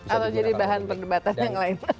atau jadi bahan perdebatan yang lain